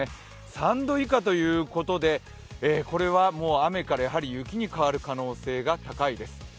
３度以下ということで、雨から雪に変わる可能性が高いです。